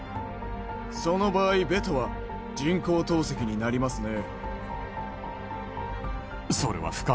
その場合ベトは人工透析になりますね